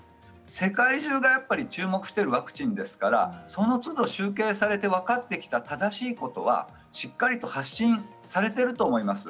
世界中が注目しているワクチンですからそのつど集計されて分かってきた正しいことはしっかりと発信されていると思います。